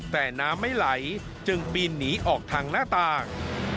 แต่น้ำไม่ไหลจึงปีนหนีออกทางหน้าต่าง